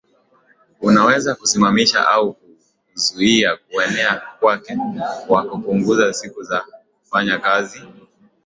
Unaweza kusimamisha au kuzuia kuenea kwake kwa kupunguza siku za kufanya kazi